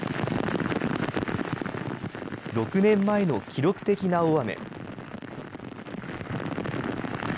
６年前の記録的な大雨。